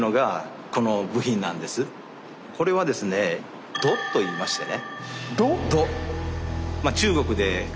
これはですね「弩」といいましてね。